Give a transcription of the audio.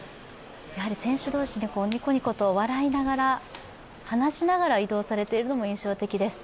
選手同士、ニコニコと笑いながら話しながらというのが印象的です。